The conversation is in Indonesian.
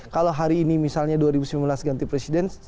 kalau hari ini misalnya dua ribu sembilan belas ganti presiden